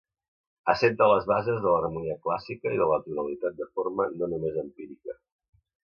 Assenta les bases de l'harmonia clàssica i de la tonalitat de forma no només empírica.